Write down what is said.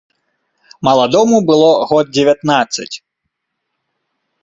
Маладому было год дзевятнаццаць.